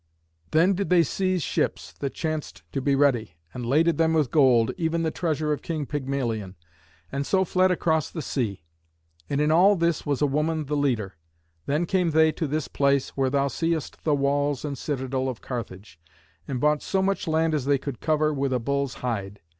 Then did they seize ships that chanced to be ready, and laded them with gold, even the treasure of King Pygmalion, and so fled across the sea. And in all this was a woman the leader. Then came they to this place, where thou seest the walls and citadel of Carthage, and bought so much land as they could cover with a bull's hide.